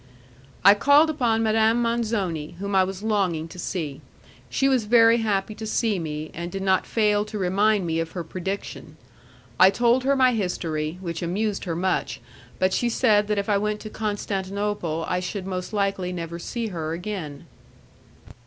I called upon Madame Manzoni, whom I was longing to see. She was very happy to see me, and did not fail to remind me of her prediction. I told her my history, which amused her much; but she said that if I went to Constantinople I should most likely never see her again.